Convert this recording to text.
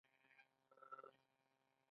د لنډمهالې ادارې جوړېدل معقوله لاره وبلله.